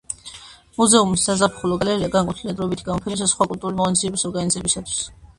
მუზეუმის საზაფხულო გალერეა განკუთვნილია დროებითი გამოფენებისა და სხვა კულტურული ღონისძიებების ორგანიზებისთვის.